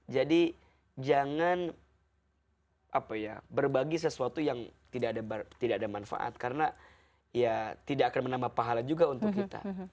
jadi jangan berbagi sesuatu yang tidak ada manfaat karena tidak akan menambah pahala juga untuk kita